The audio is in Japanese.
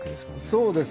そうです。